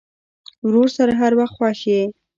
ورور سره هر وخت خوښ یې.